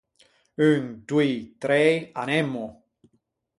Un, doî, trei, anemmo!